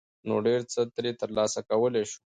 ، نو ډېر څه ترې ترلاسه کولى شو.